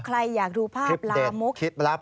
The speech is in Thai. ใครอยากดูภาพลามก